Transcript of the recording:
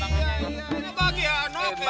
ayo siapa tahu mau mencoba